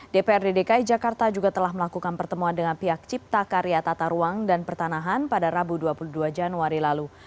dprd dki jakarta juga telah melakukan pertemuan dengan pihak cipta karya tata ruang dan pertanahan pada rabu dua puluh dua januari lalu